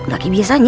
gak kayak biasanya